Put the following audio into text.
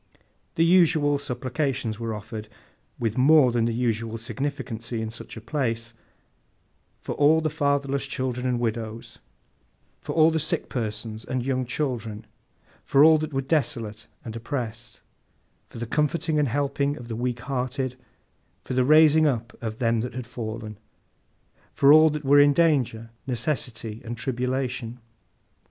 The usual supplications were offered, with more than the usual significancy in such a place, for the fatherless children and widows, for all sick persons and young children, for all that were desolate and oppressed, for the comforting and helping of the weak hearted, for the raising up of them that had fallen; for all that were in danger, necessity, and tribulation.